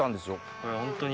これはホントに。